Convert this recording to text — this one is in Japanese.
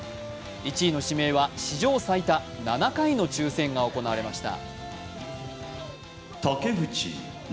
１位の指名は史上最多、７回の抽選が行われました。